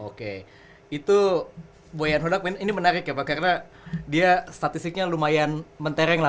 oke itu boyan hodak ini menarik ya pak karena dia statistiknya lumayan mentereng lah